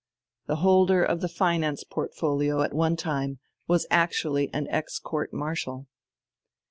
The holder of the finance portfolio at one time was actually an ex court marshal.